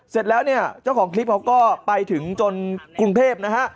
เสร็จแล้วเนี่ยเจ้าของคลิปเขาก็ไปถึงจนกรุงเทพนะฮะ